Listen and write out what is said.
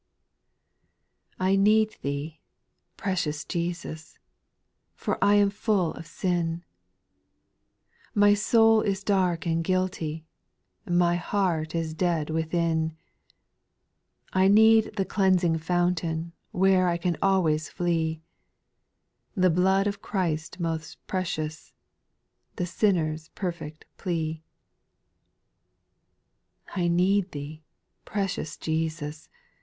T NEED Thee, precious Jesus ! for I am full X of sin ; My soul is dark and guilty, my heart is dead within ; I need the cleansing fountain, where I can always flee, — The blood of Christ most precious, the sin ner's perfect plea. : 2. I need Thee, precious Jesus